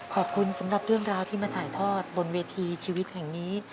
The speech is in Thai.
ขอบคุณสำหรับเรื่องราวที่มาถ่ายทอดบนเวทีชีวิตแห่งนี้